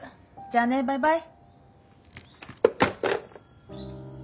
じゃあねバイバイ。